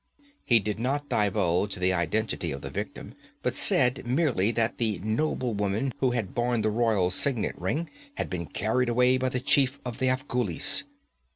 He did not divulge the identity of the victim, but said merely that the noblewoman who had borne the royal signet ring had been carried away by the chief of the Afghulis.